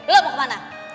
lo mau kemana